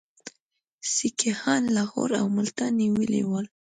سیکهان لاهور او ملتان نیولي ول.